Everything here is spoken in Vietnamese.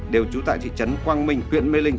đều trú tại thị trấn quang minh huyện mê linh